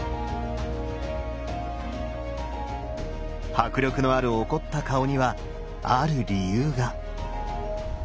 迫力のある怒った顔にはある理由が。